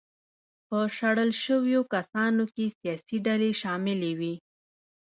په شړل شویو کسانو کې سیاسي ډلې شاملې وې.